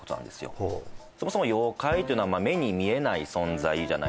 ほうそもそも妖怪というのは目に見えない存在じゃないですか